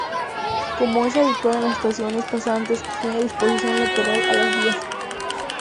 Como es habitual en las estaciones pasantes tiene disposición lateral a las vías.